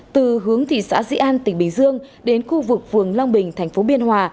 từ hướng thị xã dĩ an tỉnh bình dương đến khu vực phường long bình tp biên hòa